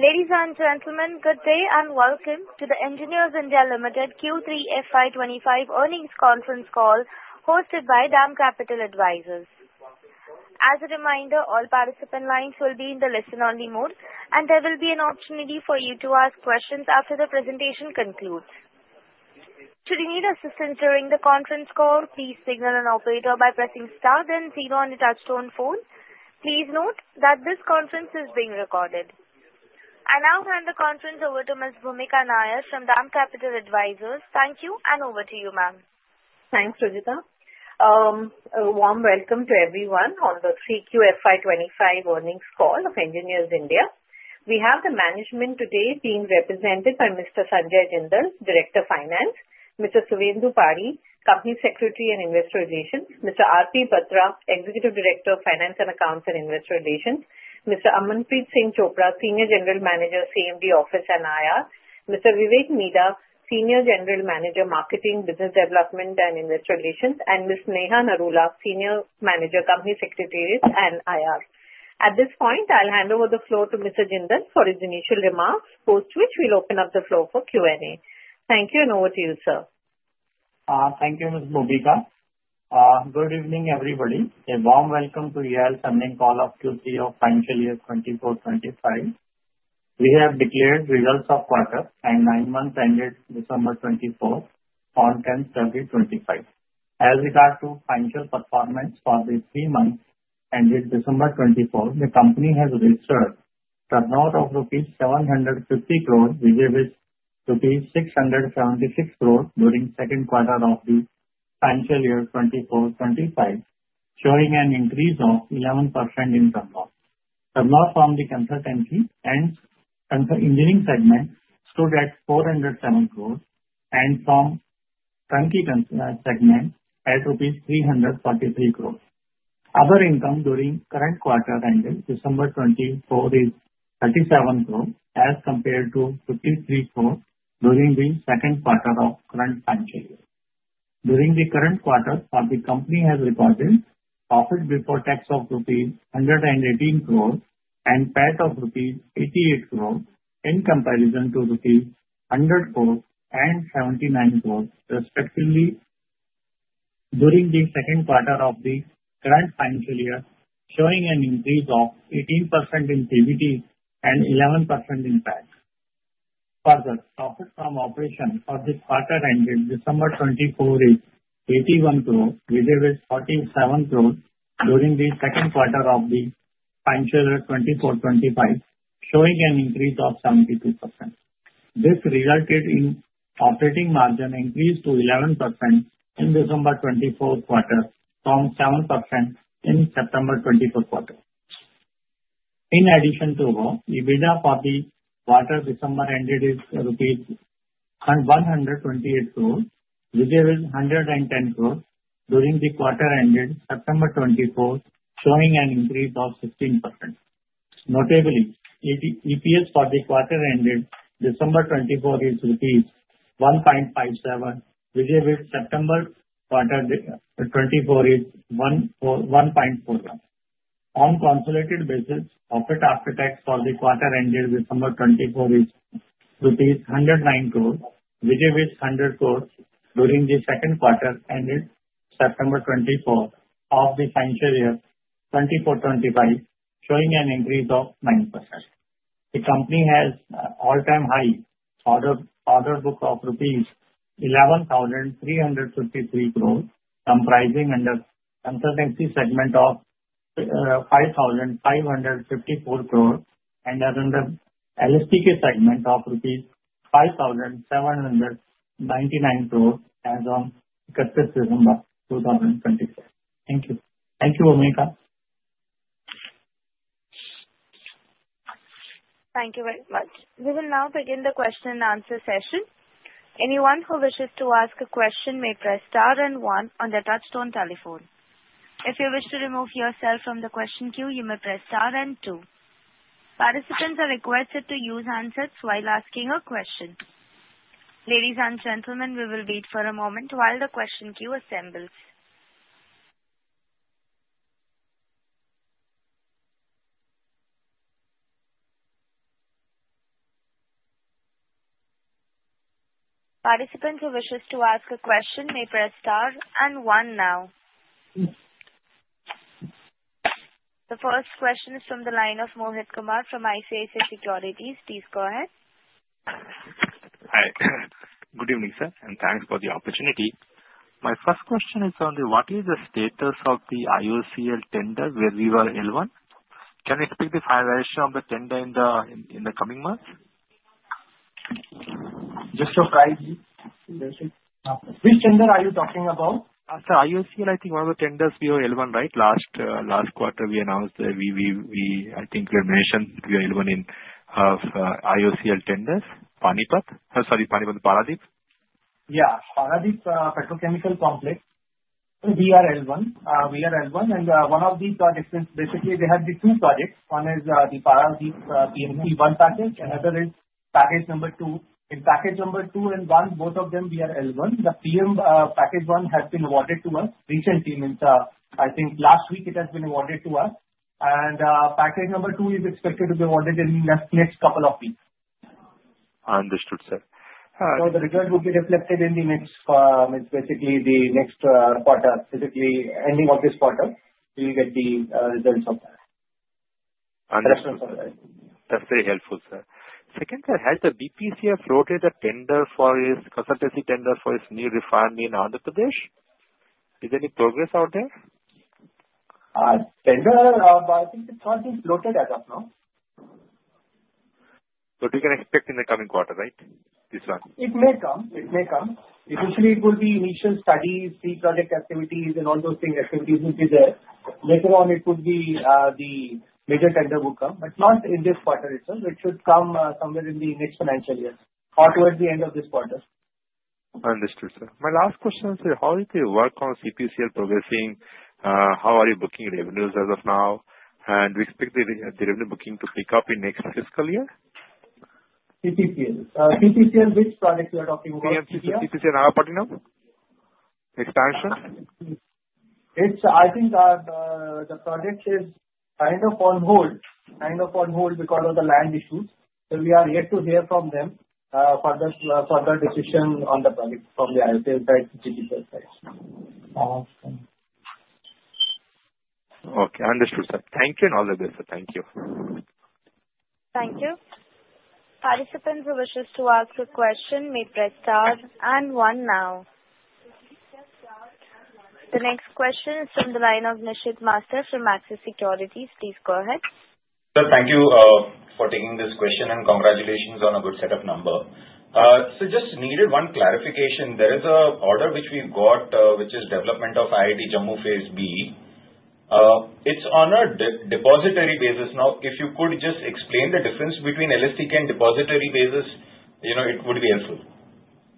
Ladies and gentlemen, good day and welcome to the Engineers India Limited Q3 FY 2025 earnings conference call hosted by DAM Capital Advisors. As a reminder, all participant lines will be in the listen-only mode, and there will be an opportunity for you to ask questions after the presentation concludes. Should you need assistance during the conference call, please signal an operator by pressing star then zero on the touch-tone phone. Please note that this conference is being recorded. I now hand the conference over to Ms. Bhoomika Nair from DAM Capital Advisors. Thank you, and over to you, ma'am. Thanks, Rajeeta. A warm welcome to everyone on the 3Q FY 2025 earnings call of Engineers India. We have the management today being represented by Mr. Sanjay Jindal, Director of Finance, Mr. Suvendu Padhi, Company Secretary and Investor Relations; Mr. R.P. Batra, Executive Director of Finance and Accounts and Investor Relations; Mr. Amanpreet Singh Chopra, Senior General Manager, C&MD Office and IR; Mr. Vivek Midha, Senior General Manager, Marketing, Business Development and Investor Relations; and Ms. Neha Narula, Senior Manager, Company Secretariat and IR. At this point, I'll hand over the floor to Mr. Jindal for his initial remarks, post which we'll open up the floor for Q&A. Thank you, and over to you, sir. Thank you, Ms. Bhoomika. Good evening, everybody, a warm welcome to the earnings call of Q3 of financial year 2024-2025. We have declared results of quarter and nine-month ended December 2024 on February 10th, 2025. As regards to financial performance for these three months ended December 2024, the company has registered a turnover of 750 crore rupees vis-à-vis 676 crore during the second quarter of the financial year 2024-2025, showing an increase of 11% in turnover. Turnover from the consultancy and engineering segment stood at 407 crore, and from the turnkey segment at rupees 343 crore. Other income during the current quarter ended December 2024 is 37 crore, as compared to 53 crore during the second quarter of the current financial year. During the current quarter, the company has reported profit before tax of rupees 118 crore and PAT of rupees 88 crore, in comparison to rupees 100 crore and 79 crore, respectively, during the second quarter of the current financial year, showing an increase of 18% in PBT and 11% in PAT. Further, profit from operations for this quarter ended December 2024 is 81 crore vis-à-vis 47 crore during the second quarter of the financial year 2024-2025, showing an increase of 73%. This resulted in operating margin increase to 11% in December 2024 quarter, from 7% in September 2024 quarter. In addition to that, EBITDA for the quarter ended December 2024 is 128 crore rupees vis-à-vis 110 crore during the quarter ended September 2024, showing an increase of 16%. Notably, EPS for the quarter ended December 2024 is INR 1.57 vis-à-vis September 2024 quarter is 1.41. On a consolidated basis, profit after tax for the quarter end date December 2024 is INR 109 crore vis-à-vis INR 100 crore during the second quarter end date September 2024 of the financial year 2024-2025, showing an increase of 9%. The company has an all-time high order book of rupees 11,353 crore, comprising under consultancy segment of 5,554 crore, and under LSTK segment of rupees 5,799 crore as of December 31st, 2024. Thank you. Thank you, Bhoomika. Thank you very much. We will now begin the question-and-answer session. Anyone who wishes to ask a question may press star and one on the touch-tone telephone. If you wish to remove yourself from the question queue, you may press star and two. Participants are requested to use handsets while asking a question. Ladies and gentlemen, we will wait for a moment while the question queue assembles. Participants who wish to ask a question may press star and one now. The first question is from the line of Mohit Kumar from ICICI Securities. Please go ahead. Hi. Good evening, sir, and thanks for the opportunity. My first question is on what is the status of the IOCL tender where we were L1? Can we expect the finalization of the tender in the coming months? Just to surprise. Which tender are you talking about? IOCL, I think one of the tenders we were L1, right? Last quarter we announced that we, I think we had mentioned we were L1 in IOCL tenders. Panipat? Sorry, Panipat, Paradip? Yeah, Paradip Petrochemical Complex. We are L1. We are L1, and one of these projects is basically they had two projects. One is the Paradip PMC-1 package, and another is package number two. In package number two and one, both of them we are L1. The PM package one has been awarded to us recently. I think last week it has been awarded to us, and package number two is expected to be awarded in the next couple of weeks. Understood, sir. The results will be reflected in the next, basically the next quarter, basically ending of this quarter. We will get the results of that. That's very helpful, sir. Second, has the BPCL floated a tender for its consultancy tender for its new refinery in Andhra Pradesh? Is there any progress out there? Tender, but I think it's not been slotted as of now. So we can expect in the coming quarter, right? This one? It may come. It may come. Usually, it will be initial studies, pre-project activities, and all those things, activities which is there. Later on, it could be the major tender will come, but not in this quarter itself. It should come somewhere in the next financial year, or towards the end of this quarter. Understood, sir. My last question is, how is the work on CPCL progressing? How are you booking revenues as of now? And do you expect the revenue booking to pick up in next fiscal year? CPCL, which project you are talking about? CPCL Nagapattinam? Expansion? I think the project is kind of on hold, kind of on hold because of the land issues. So we are yet to hear from them for further decision on the project from the IOCL side to CPCL side. Awesome. Okay, understood, sir. Thank you and all the best, sir. Thank you. Thank you. Participants who wishes to ask a question may press star and one now. The next question is from the line of Nishit Master from Axis Securities. Please go ahead. Sir, thank you for taking this question, and congratulations on a good set of numbers. Sir, just needed one clarification. There is an order which we've got, which is development of IIT Jammu Phase B. It's on a depository basis. Now, if you could just explain the difference between LSTK and depository basis, you know, it would be helpful.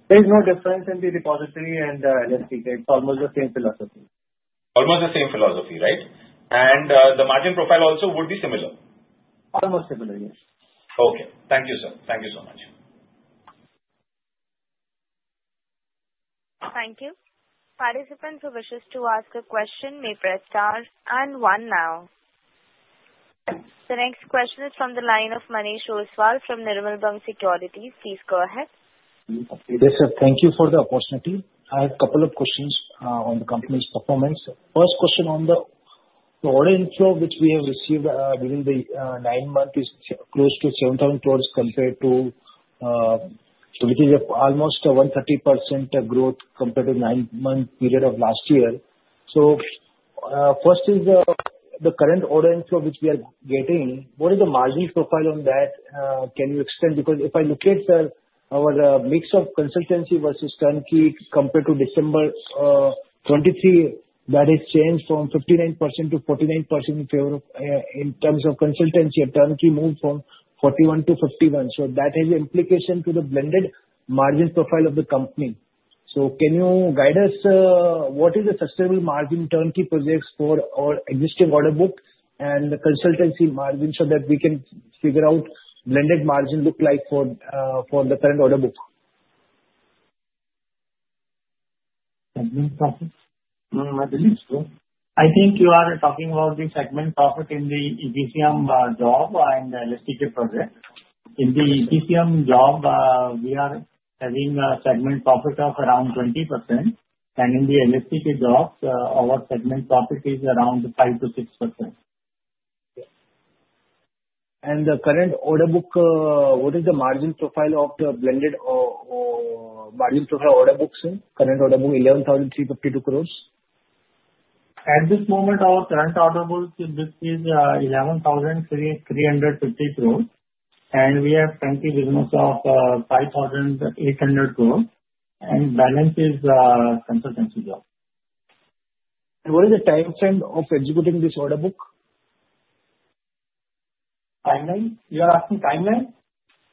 There is no difference in the depository and LSTK. It's almost the same philosophy. Almost the same philosophy, right? And the margin profile also would be similar? Almost similar, yes. Okay. Thank you, sir. Thank you so much. Thank you. Participants who wish to ask a question may press star and one now. The next question is from the line of Manish Ostwal from Nirmal Bang Securities. Please go ahead. Yes, sir. Thank you for the opportunity. I have a couple of questions on the company's performance. First question on the order inflow which we have received during the nine months is close to INR 7,000 crore compared to, which is almost 130% growth compared to the nine-month period of last year. So first is the current order inflow which we are getting, what is the margin profile on that? Can you explain? Because if I look at our mix of consultancy versus turnkey compared to December 2023, that has changed from 59%-49% in terms of consultancy and turnkey moved from 41%-51%. So that has implications to the blended margin profile of the company. So can you guide us what is the sustainable margin turnkey projects for our existing order book and the consultancy margin so that we can figure out blended margin look like for the current order book? Segment profit? I think you are talking about the segment profit in the EPCM job and LSTK project. In the EPCM job, we are having a segment profit of around 20%, and in the LSTK job, our segment profit is around 5%-6%. The current order book, what is the margin profile of the blended margin profile order books? Current order book INR 11,352 crore. At this moment, our current order book is 11,350 crore, and we have turnkey business of 5,800 crore, and balance is consultancy job. What is the time frame of executing this order book? Timeline? You are asking timeline?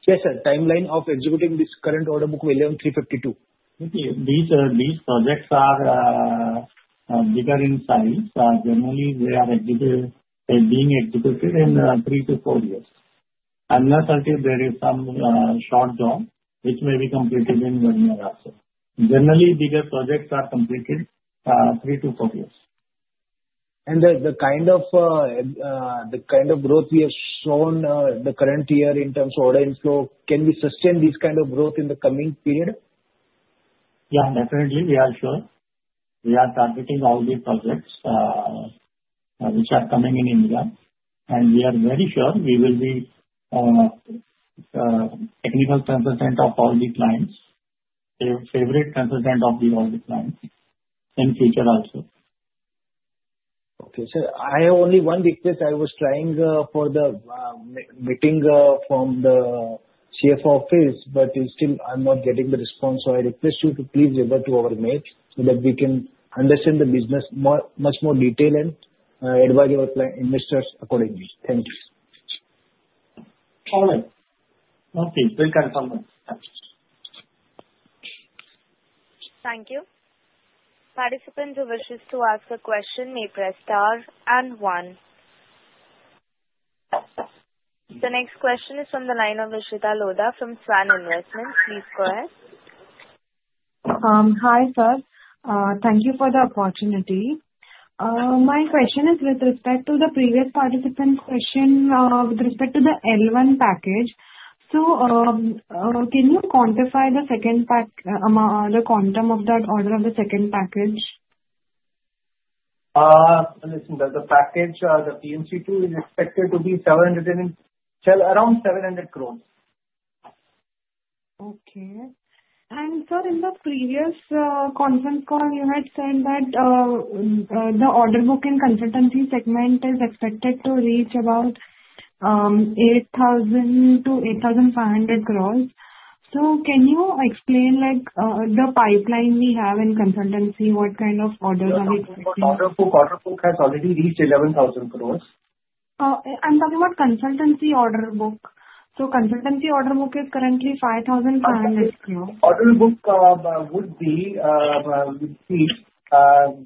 Yes, sir. Timeline of executing this current order book 11,352. These projects are bigger in size. Generally, they are being executed in three to four years. Unless there is some short job, which may be completed in one year also. Generally, bigger projects are completed in three to four years. And the kind of growth we have shown the current year in terms of order inflow, can we sustain this kind of growth in the coming period? Yeah, definitely. We are sure. We are targeting all these projects which are coming in India, and we are very sure we will be technical consultant of all the clients, favorite consultant of all the clients in the future also. Okay, sir. I have only one request. I was trying for the meeting from the CFO office, but still I'm not getting the response. So I request you to please revert to our mail so that we can understand the business much more detail and advise our client in this accordingly. Thank you. All right. Okay, we can follow. Thank you. Participants who wish to ask a question may press star and one. The next question is from the line of Ishita Lodha from SVAN Investment. Please go ahead. Hi, sir. Thank you for the opportunity. My question is with respect to the previous participant question with respect to the L1 package. So can you quantify the second package, the quantum of that order of the second package? Listen, the package, the PMC-2 is expected to be around 700 crore. Okay. And sir, in the previous conference call, you had said that the order book in consultancy segment is expected to reach about 8,000-8,500 crore. So can you explain the pipeline we have in consultancy? What kind of orders are we talking about? Order book has already reached 11,000 crore. I'm talking about consultancy order book. So consultancy order book is currently 5,500 crore. Order book would be seen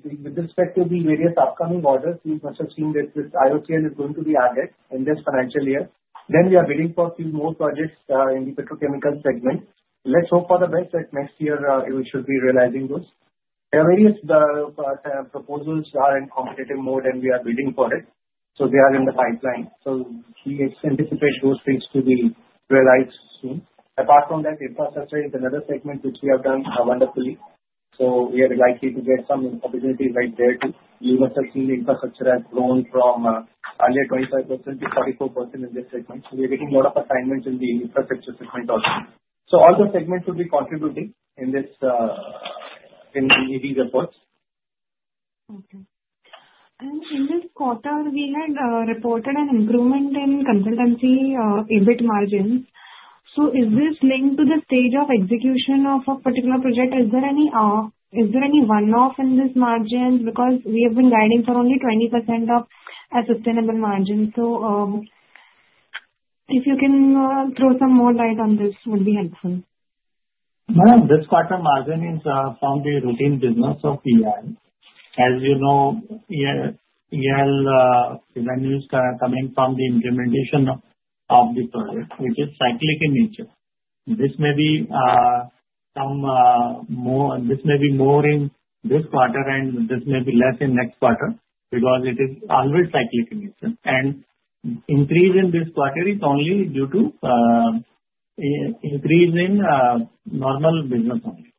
with respect to the various upcoming orders. We've assumed that this IOCL is going to be added in this financial year. Then we are waiting for a few more projects in the petrochemical segment. Let's hope for the best that next year we should be realizing those. There are various proposals that are in competitive mode, and we are waiting for it. So they are in the pipeline. So we anticipate those things to be realized soon. Apart from that, infrastructure is another segment which we have done wonderfully. So we are likely to get some opportunity right there too. You must have seen the infrastructure has grown from under 25%-44% in this segment. So we are getting a lot of assignments in the infrastructure segment also. So all those segments will be contributing in these reports. Okay. And in this quarter, we had reported an improvement in consultancy EBIT margin. So is this linked to the stage of execution of a particular project? Is there any one-off in this margin? Because we have been guiding for only 20% of a sustainable margin. So if you can throw some more light on this, it would be helpful. This quarter margin is from the routine business of EIL. As you know, EIL revenues are coming from the implementation of the project, which is cyclic in nature. This may be some more, and this may be more in this quarter, and this may be less in next quarter because it is always cyclic in nature, and increase in this quarter is only due to increase in normal business only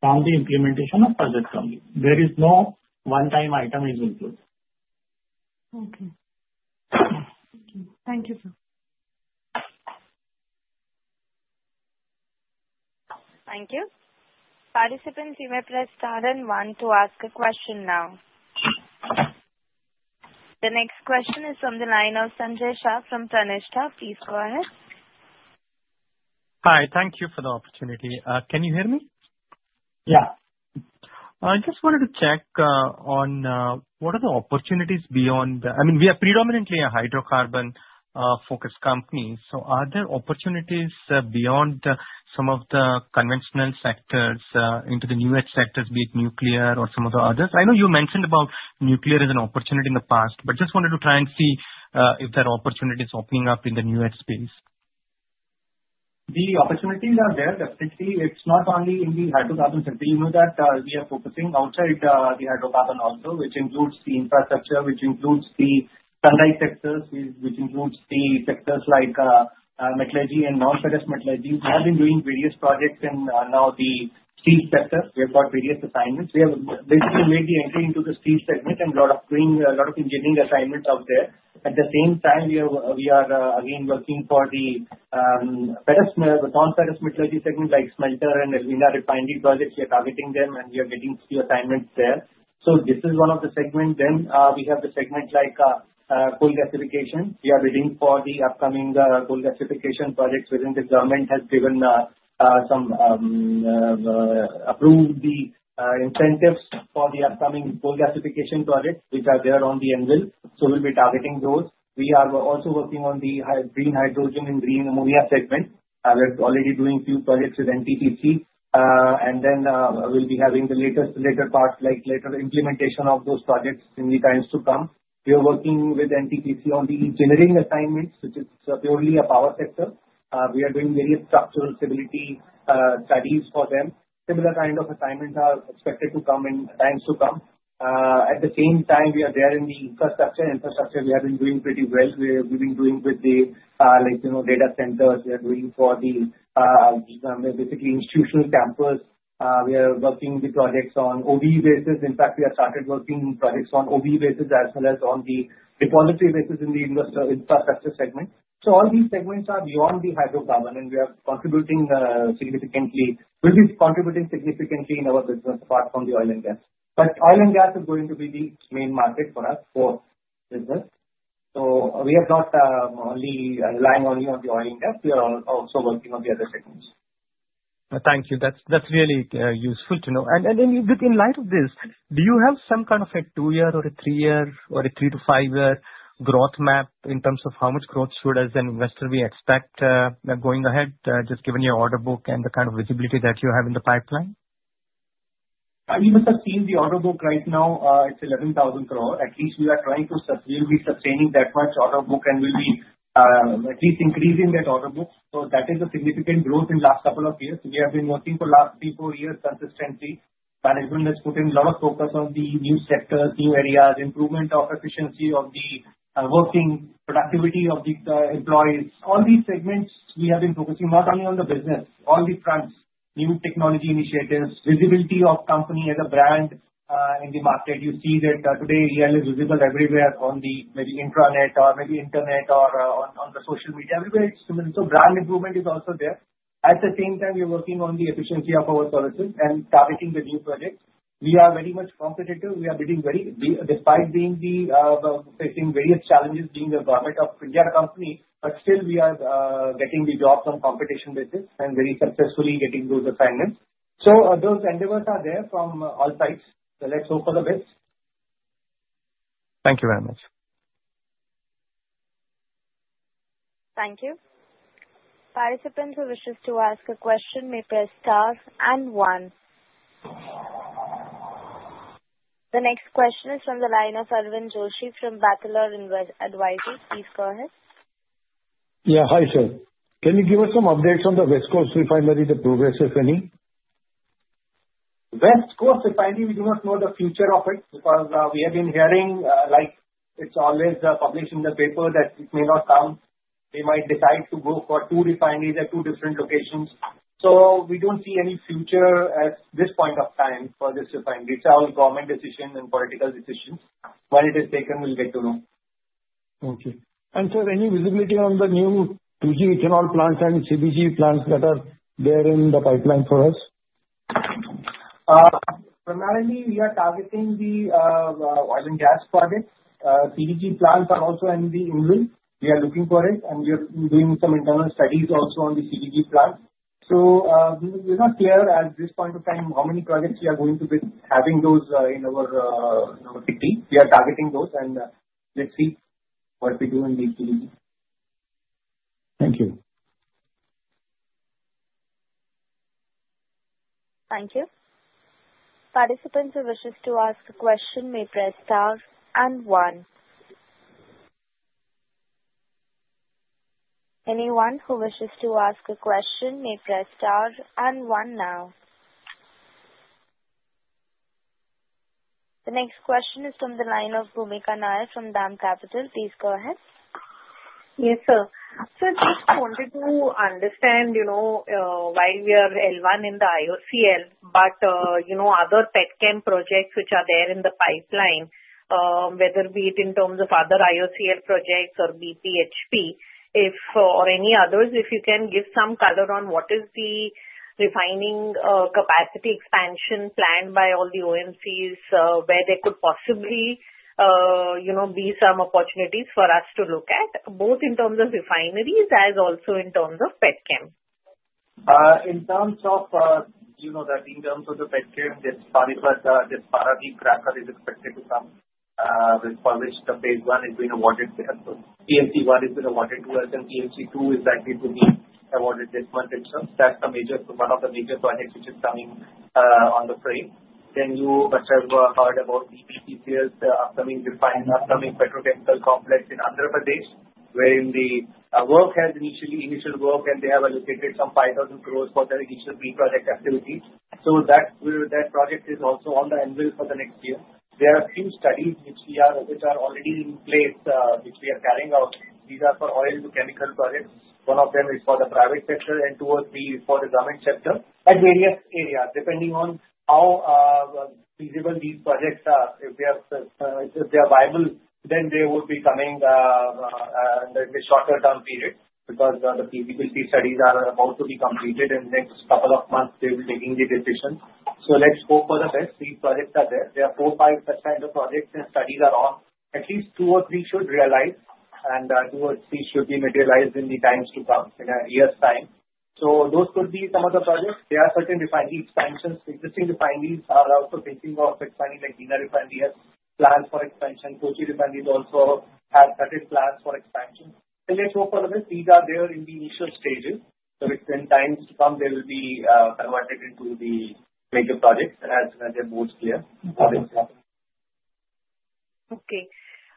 from the implementation of projects only. There is no one-time item is included. Okay. Thank you. Thank you, sir. Thank you. Participants, you may press star and one to ask a question now. The next question is from the line of Sanjay Shah from KSA Shares & Securities. Please go ahead. Hi. Thank you for the opportunity. Can you hear me? Yeah. I just wanted to check on what are the opportunities beyond the, I mean, we are predominantly a hydrocarbon-focused company. So are there opportunities beyond some of the conventional sectors into the newer sectors like nuclear or some of the others? I know you mentioned about nuclear as an opportunity in the past, but just wanted to try and see if that opportunity is opening up in the newer space. The opportunities are there, definitely. It's not only in the hydrocarbon segment. You know that we are focusing outside the hydrocarbon also, which includes the infrastructure, which includes the satellite sectors, which includes the sectors like metallurgy and non-ferrous metallurgy. We have been doing various projects in now the steel sector. We have got various assignments. We have basically made the entry into the steel segment and a lot of engineering assignments out there. At the same time, we are again working for the non-ferrous metallurgy segment like smelter and refining projects. We are targeting them, and we are getting a few assignments there. So this is one of the segments. Then we have the segment like coal gasification. We are waiting for the upcoming coal gasification projects, for which the government has given some approvals to the incentives for the upcoming coal gasification projects, which are there on the anvil. So we'll be targeting those. We are also working on the green hydrogen and green ammonia segment. We're already doing a few projects with NTPC, and then we'll be having the later part, like later implementation of those projects in the times to come. We are working with NTPC on the engineering assignments, which is purely a power sector. We are doing various structural stability studies for them. Similar kind of assignments are expected to come in times to come. At the same time, we are there in the infrastructure. Infrastructure, we have been doing pretty well. We have been doing with the data centers. We are going for the basically institutional campus. We are working the projects on OBE basis. In fact, we have started working projects on OBE basis as well as on the depository basis in the infrastructure segment. So all these segments are beyond the hydrocarbon, and we are contributing significantly. We'll be contributing significantly in our business apart from the oil and gas. But oil and gas is going to be the main market for us for business. So we are not only relying on the oil and gas. We are also working on the other segments. Thank you. That's really useful to know. And in light of this, do you have some kind of a two-year or a three-year or a 3-5 years growth map in terms of how much growth should, as an investor, we expect going ahead, just given your order book and the kind of visibility that you have in the pipeline? You must have seen the order book right now. It's 11,000 crore. At least we are trying to, we will be sustaining that much order book, and we'll be at least increasing that order book. So that is a significant growth in the last couple of years. We have been working for the last three, four years consistently. Management has put in a lot of focus on the new sectors, new areas, improvement of efficiency of the working productivity of the employees. All these segments, we have been focusing not only on the business, all the fronts, new technology initiatives, visibility of company as a brand in the market. You see that today EIL is visible everywhere on the maybe intranet or maybe internet or on the social media. Everywhere it's similar. So brand improvement is also there. At the same time, we are working on the efficiency of our products and targeting the new projects. We are very much competitive. We are getting very, despite being facing various challenges, being a Government of India company, but still we are getting the jobs on competition basis and very successfully getting those assignments. So those endeavors are there from all sides. Let's hope for the best. Thank you very much. Thank you. Participants who wishes to ask a question may press star and one. The next question is from the line of Arvind Joshi from Bateleur Advisors. Please go ahead. Yeah, hi sir. Can you give us some updates on the West Coast Refinery, the progress, if any? West Coast Refinery, we do not know the future of it because we have been hearing like it's always published in the paper that it may not come. We might decide to go for two refineries at two different locations. So we don't see any future at this point of time for this refinery. It's all government decisions and political decisions. While it is taken, we'll get to know. Okay. And sir, any visibility on the new 2G ethanol plants and CBG plants that are there in the pipeline for us? Primarily, we are targeting the oil and gas projects. CBG plants are also on the anvil. We are looking for it, and we are doing some internal studies also on the CBG plants. So we're not clear at this point of time how many projects we are going to be having those in our team. We are targeting those, and let's see what we do in the future. Thank you. Thank you. Participants who wishes to ask a question may press star and one. Anyone who wishes to ask a question may press star and one now. The next question is from the line of Bhoomika Nair from DAM Capital. Please go ahead. Yes, sir. So I just wanted to understand, you know, while we are L1 in the IOCL, but you know, other Petchem projects which are there in the pipeline, whether be it in terms of other IOCL projects or BP, HP, or any others, if you can give some color on what is the refining capacity expansion planned by all the OMCs where there could possibly, you know, be some opportunities for us to look at, both in terms of refineries as also in terms of Petchem? In terms of, you know, that in terms of the Petchem, this Paradip project is expected to come. We've secured the phase I; it's been awarded to us. PMC-1 has been awarded to us, and PMC-2 is actually being awarded this month itself. That's one of the major projects which is coming on stream. Can you tell us? Heard about the upcoming petrochemical complex in Andhra Pradesh where the work has initial work, and they have allocated some 5,000 crore for the initial project activities. So that project is also on the anvil for the next year. There are a few studies which are already in place, which we are carrying out. These are for oil and chemical projects. One of them is for the private sector and two or three is for the government sector. Various areas, depending on how feasible these projects are, if they are viable, then they will be coming in the shorter term period because the feasibility studies are about to be completed, and next couple of months, they will be taking the decision. So let's hope for the best. These projects are there. There are four, five such kind of projects. These studies are on. At least two or three should realize, and two or three should be materialized in the times to come, in a year's time. So those could be some of the projects. There are certain refineries expansions. Existing refineries are also thinking of expanding like Bina Refinery has plans for expansion. 2G refineries also have certain plans for expansion. So let's hope for the best. These are there in the initial stages. With 10 times to come, they will be converted into the major projects as they are both clear. Okay.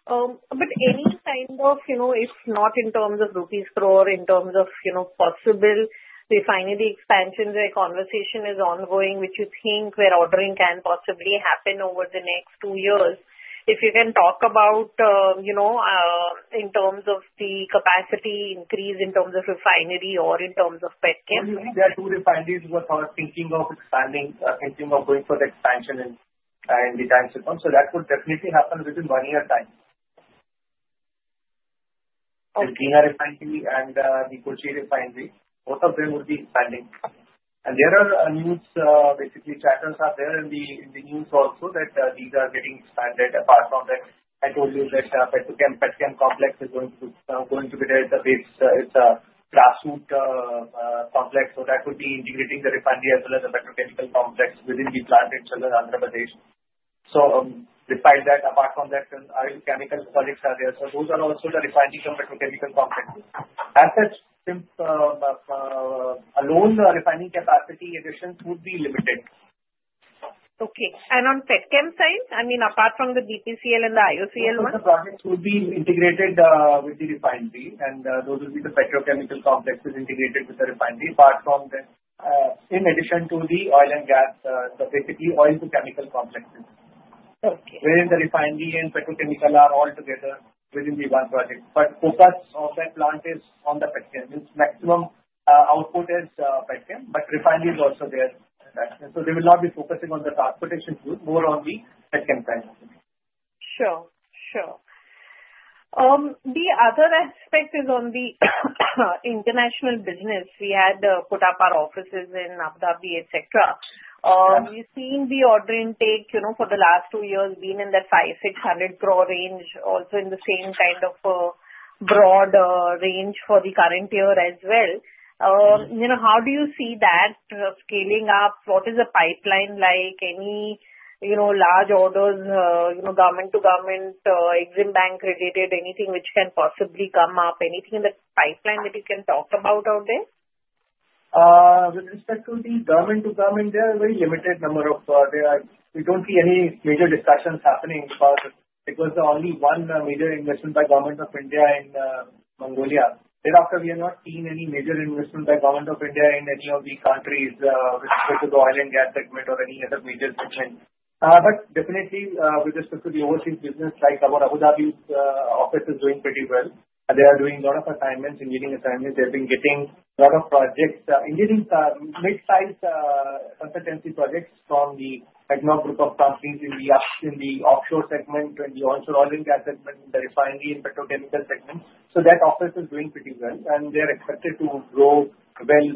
But any kind of, you know, if not in terms of rupees crore, in terms of, you know, possible refinery expansion, the conversation is ongoing, which you think we're ordering can possibly happen over the next two years. If you can talk about, you know, in terms of the capacity increase in terms of refinery or in terms of Petchem. Usually, there are two refineries who are thinking of expanding, thinking of going for the expansion in the times to come. So that could definitely happen within one year's time. The Bina Refinery and the Kochi Refinery, both of them would be expanding. And there are news, basically chatters are there in the news also that these are getting expanded apart from the petrochemical complex is going to be there. It's a grassroots complex. So that would be integrating the refinery as well as the petrochemical complex within the large refinery in Andhra Pradesh. So despite that, apart from that, oil and chemical projects are there. So those are also the refinery from petrochemical complex. As a standalone, refining capacity additions would be limited. Okay. And on Petchem side, I mean, apart from the BPCL and the IOCL ones? Those projects would be integrated with the refinery, and those would be the petrochemical complexes integrated with the refinery apart from the, in addition to the oil and gas, basically oil to chemical complexes. Okay. Wherein the refinery and petrochemical are all together within the one project. But focus of that plant is on the Petchem. Its maximum output is Petchem, but refinery is also there. So they will not be focusing on the transportation fuel more on the Petchem plant. Sure. Sure. The other aspect is on the international business. We had put up our offices in Abu Dhabi, etc. You've seen the order intake, you know, for the last two years being in the 500-600 crore range, also in the same kind of broad range for the current year as well. You know, how do you see that scaling up? What is the pipeline like? Any, you know, large orders, you know, government to government, EXIM Bank related, anything which can possibly come up? Anything in the pipeline that you can talk about out there? With respect to the government to government, there are very limited number of, we don't see any major discussions happening because there's only one major investment by Government of India in Mongolia. Thereafter, we have not seen any major investment by government of India in any of these countries with respect to the oil and gas segment or any other major section. But definitely, with respect to the overseas business side, some of Abu Dhabi's office is doing pretty well. They are doing a lot of assignments, engineering assignments. They've been getting a lot of projects, engineering mid-sized competency projects from the ADNOC group of companies in the Offshore segment, in the Onshore oil and gas segment, the refinery and petrochemical segment. So that office is doing pretty well, and they are expected to grow well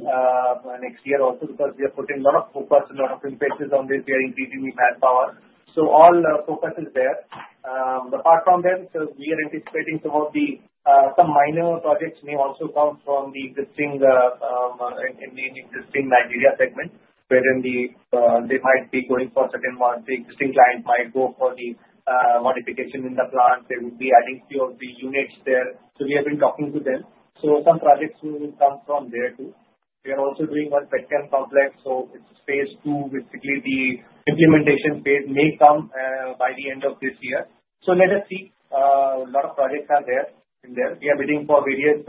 next year also because we have put in a lot of focus and a lot of impetus on this increasingly fast power. So all focus is there. Apart from them, so we are anticipating some minor projects may also come from the existing Nigeria segment, wherein they might be going for certain maintenance. The existing client might go for the modification in the plant. They will be adding a few of the units there. So we have been talking to them. So some projects may come from there too. We are also doing one Petchem complex. So it's phase II, basically the implementation phase may come by the end of this year. So let us see. A lot of projects are there. We are bidding for various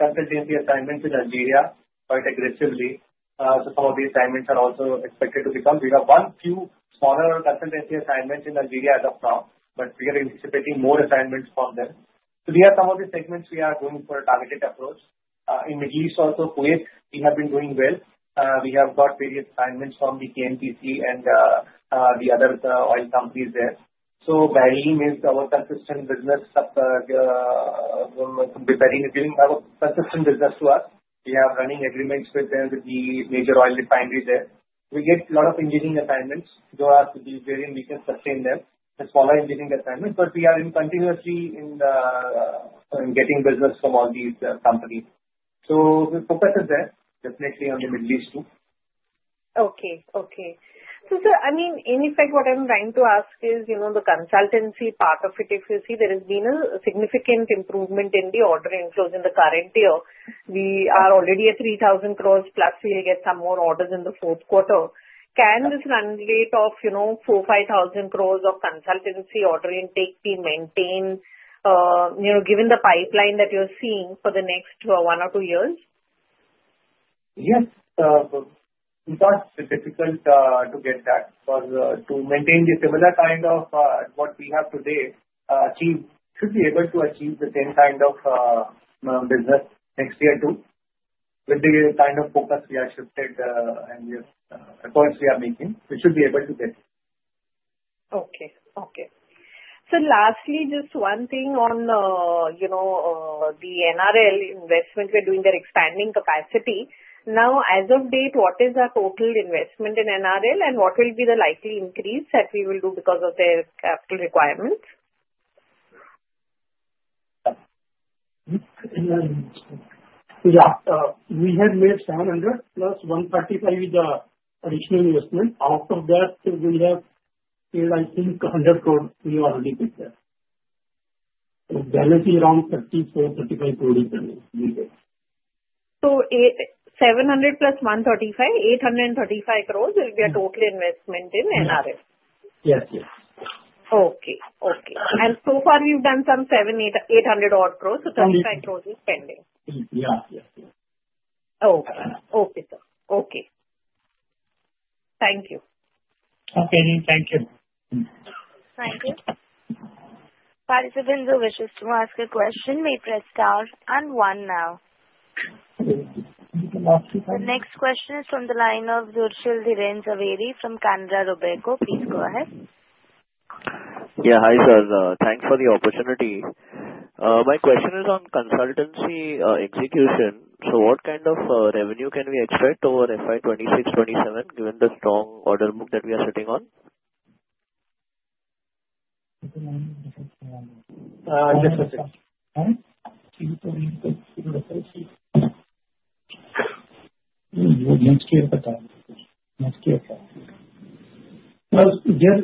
consultancy assignments in Nigeria quite aggressively. So some of these assignments are also expected to become. We have a few smaller consultancy assignments in Nigeria as of now, but we are anticipating more assignments from them. So these are some of the segments we are going for a targeted approach. In the east, also Kuwait, we have been doing well. We have got various assignments from the KNPC and the other oil companies there. So thereby means our consistent business. Because we have a consistent business for us. We have running agreements with the major oil refineries there. We get a lot of engineering assignments throughout the region. We can sustain them. The smaller engineering assignments, but we are continuously getting business from all these companies. So we're competitive there. Definitely on the Middle East too. Okay. Okay, so sir, I mean, in effect, what I'm trying to ask is, you know, the consultancy part of it, if you see, there has been a significant improvement in the order inflows in the current year. We are already at 3,000 crore+. We'll get some more orders in the fourth quarter. Can this run rate of, you know, 4,000-5,000 crore of consultancy order intake be maintained, you know, given the pipeline that you're seeing for the next one or two years? Yes. It's not difficult to get that. For to maintain the similar kind of what we have today, should be able to achieve the same kind of business next year too. With the kind of focus we have shifted and the points we are making, we should be able to get it. Okay. So lastly, just one thing on, you know, the NRL investment we're doing, their expanding capacity. Now, as of date, what is our total investment in NRL, and what will be the likely increase that we will do because of their capital requirements? We have made 700 crore plus 135 crore with the additional investment. After that, we have still until 200 crore we already put there. There will be around 34-35 crore in the end. 700 crore plus 135 crore, 835 crore will be a total investment in NRL? Yes. Yes. Okay. And so far, we've done some 700-800 crore. So 25 crore is pending. Yes. Yes. Yes. Okay. Thank you. Okay. Thank you. Thank you. Participants who wishes to ask a question may press star and one now. Next question is from the line of Dhrushil Jhaveri from Canara Robeco. Please go ahead. Yeah. Hi sir. Thanks for the opportunity. My question is on consultancy execution. So what kind of revenue can we expect over FY 2026-2027 given the strong order that we are sitting on? There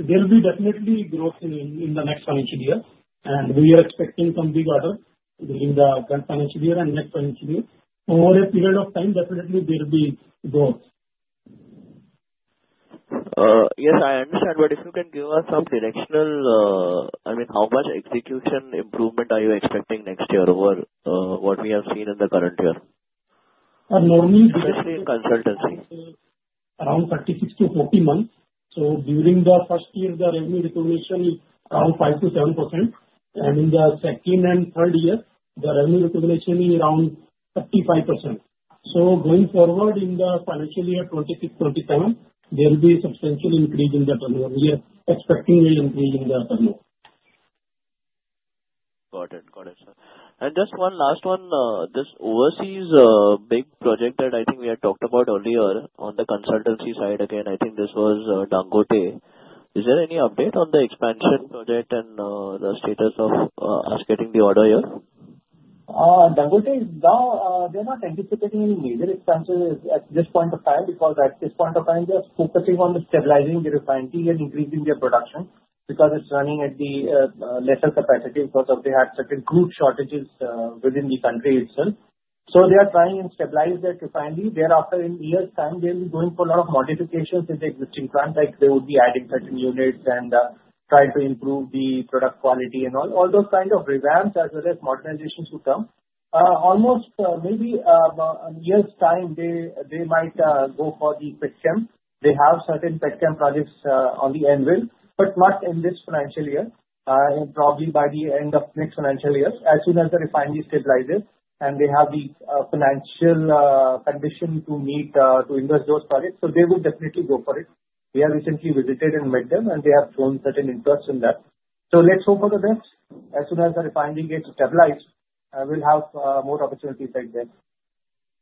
will be definitely growth in the next financial year, and we are expecting some big order in the current financial year and next financial year. Over a period of time, definitely there will be growth. Yes. I am interested. But if you can give us some directional, I mean, how much execution improvement are you expecting next year over what we have seen in the current year? Mainly. Especially in consultancy? Around 36-40 months. So during the first year, the revenue recognition is around 5%-7%. And in the second and third year, the revenue recognition is around 35%. So going forward in the financial year 2026-2027, there will be a substantial increase in the revenue. We are expecting an increase in the revenue. Got it. Got it, sir. And just one last one. This overseas big project that I think we had talked about earlier on the consultancy side, again, I think this was Dangote. Is there any update on the expansion project and the status of us getting the order here? Dangote, they're not anticipating any major expansions at this point of time because at this point of time, they are focusing on stabilizing the refinery and increasing their production because it's running at the lesser capacity because they have certain crude shortages within the country itself. So they are trying to stabilize their refinery. Thereafter, in years' time, they'll be going for a lot of modifications in the existing plant. Like they will be adding certain units and trying to improve the product quality and all those kinds of revamps as well as modernizations to come. Almost maybe years' time, they might go for the Petchem. They have certain Petchem projects on the anvil, but not in this financial year. And probably by the end of next financial year, as soon as the refinery stabilizes and they have the financial condition to meet to invest those projects, so they will definitely go for it. We have recently visited and met them, and they have shown certain interest in that. So let's hope for the best. As soon as the refinery gets stabilized, we'll have more opportunities like this.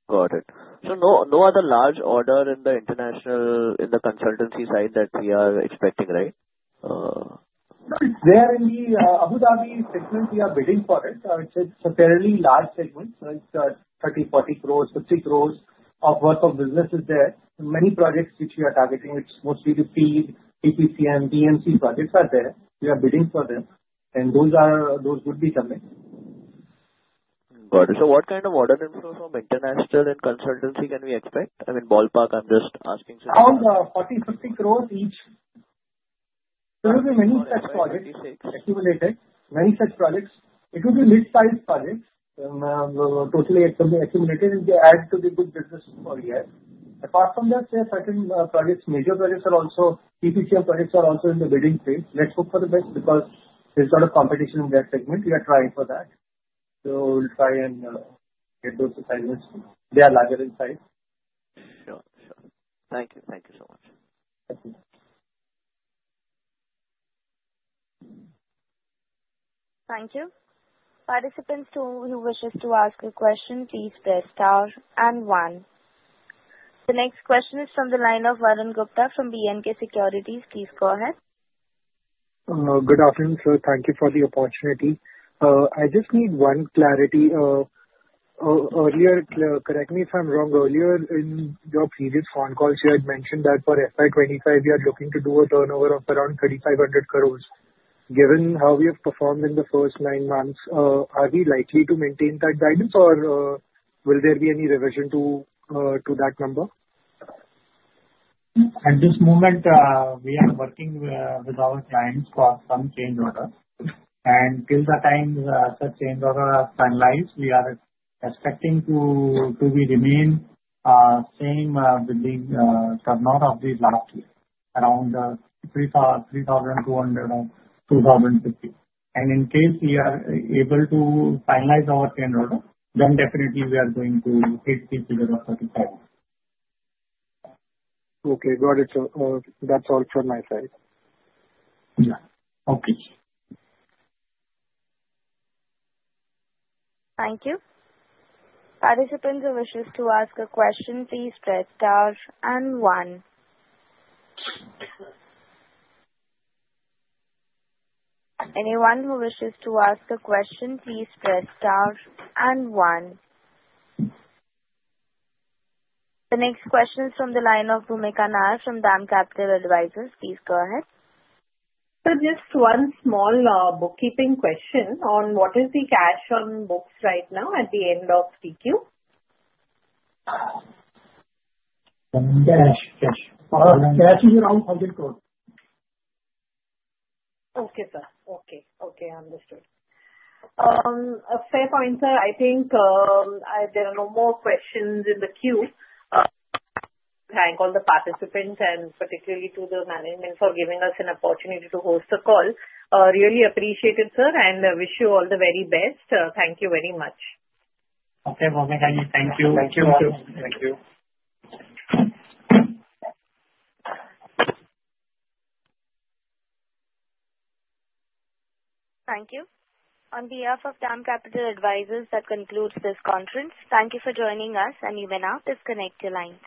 Got it. So no other large order in the international, in the consultancy side that we are expecting, right? There in the Abu Dhabi segment, we are bidding for it. It's a fairly large segment. It's 30-50 crore worth of businesses there. Many projects which we are targeting, it's mostly the FEED, EPCM, PMC projects are there. We are bidding for them, and those would be coming. Got it. So what kind of order inflows from international and consultancy can we expect? I mean, ballpark, I'm just asking sir. Around 40-50 crore each. There will be many such projects, accumulated, many such projects. It will be mid-sized projects, 2-8 million accumulated, and they add to the good business for the year. Apart from that, there are certain projects. Major projects are also. EPCM projects are also in the bidding phase. Let's hope for the best because there's a lot of competition in that segment. We are trying for that. So we'll try and get those assignments. They are larger in size. Sure. Sure. Thank you. Thank you so much. Thank you. Participants who wish to ask a question, please press star and one. The next question is from the line of Varun Gupta from B&K Securities. Please go ahead. Good afternoon, sir. Thank you for the opportunity. I just need one clarity. Correct me if I'm wrong. Earlier in your previous phone calls, you had mentioned that for FY 2025, you are looking to do a turnover of around 3,500 crore. Given how we have performed in the first nine months, are we likely to maintain that guidance, or will there be any revision to that number? At this moment, we are working with our clients for some change orders. And till the time such change order finalizes, we are expecting to remain same with the turnover of the last year, around 3,200-3,050 crore. And in case we are able to finalize our change order, then definitely we are going to increase the turnover for the next year. Okay. Got it, sir. That's all from my side. Okay. Thank you. Participants who wishes to ask a question, please press star and one. Anyone who wishes to ask a question, please press star and one. The next question is from the line of Bhoomika Nair from DAM Capital Advisors. Please go ahead. So just one small bookkeeping question on what is the cash on books right now at the end of 3Q? Cash is around INR 100 crore. Okay, sir. Okay. Okay. Understood. Fair point, sir. I think there are no more questions in the queue. Thank all the participants and particularly to the management for giving us an opportunity to host the call. Really appreciate it, sir, and wish you all the very best. Thank you very much. Okay. Thank you. Thank you. Thank you. Thank you. On behalf of DAM Capital Advisors, that concludes this conference. Thank you for joining us, and you may now disconnect the line.